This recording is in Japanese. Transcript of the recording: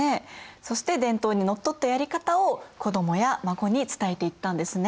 そして伝統にのっとったやり方を子どもや孫に伝えていったんですね。